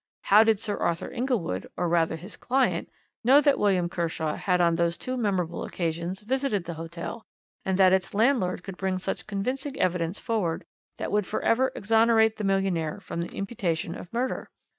How did Sir Arthur Inglewood, or rather his client, know that William Kershaw had on those two memorable occasions visited the hotel, and that its landlord could bring such convincing evidence forward that would for ever exonerate the millionaire from the imputation of murder?"